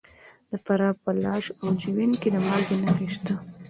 د فراه په لاش او جوین کې د مالګې نښې شته.